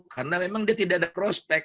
karena memang dia tidak ada cross pack